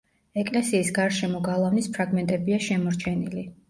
ეკლესიის გარშემო გალავნის ფრაგმენტებია შემორჩენილი.